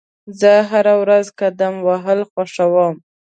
زه هره ورځ قدم وهل خوښوم.